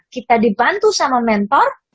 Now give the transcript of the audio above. kita dibantu sama mentor